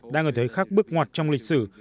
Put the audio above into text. đang ở thời khắc bước ngoặt trong lịch sử